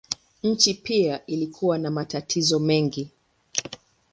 Nchi mpya ilikuwa na matatizo mengi.